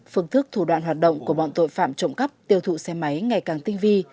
phương thức thủ đoạn hoạt động của bọn tội phạm trộm cắp tiêu thụ xe máy ngày càng tinh vi